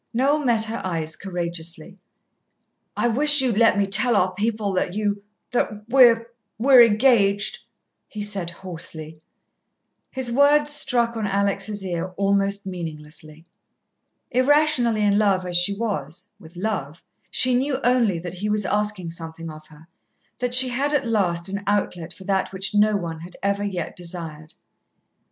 Noel met her eyes courageously. "I wish you'd let me tell our people that you that we we're engaged," he said hoarsely. His words struck on Alex' ear almost meaninglessly. Irrationally in love as she was, with Love, she knew only that he was asking something of her that she had at last an outlet for that which no one had ever yet desired.